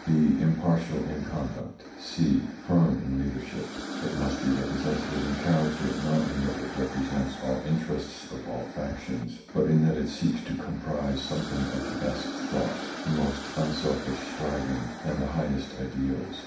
(b). Impartial in conduct. (c). Firm in leadership. It must be representative in character; not in that it represents all interests or all factions, but in that it seeks to comprise something of the best thought, the most unselfish striving and the highest ideals.